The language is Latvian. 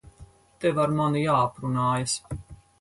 Tev ar mani jāaprunājas.